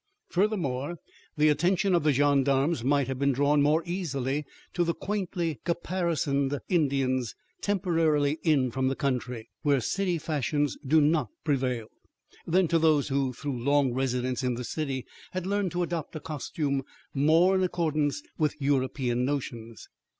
Furthermore, the attention of the gendarmes might have been drawn more easily to the quaintly caparisoned Indians temporarily in from the country, where city fashions do not prevail, than to those who through long residence in the city had learned to adopt a costume more in accordance with European notions.